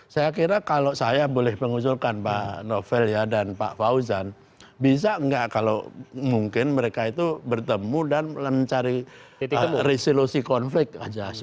saya kira kalau saya boleh mengusulkan pak novel ya dan pak fauzan bisa nggak kalau mungkin mereka itu bertemu dan mencari resolusi konflik aja